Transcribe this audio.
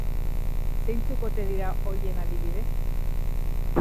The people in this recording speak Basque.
Zeintzuk ote dira horien adibide?